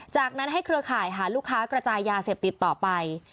จากนั้นให้เครือข่ายหาลูกค้ากระจายยาเสพติดต่อไป